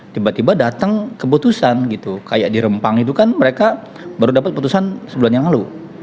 tiba tiba datang keputusan gitu kayak di rempang itu kan mereka baru dapat keputusan sebulan yang lalu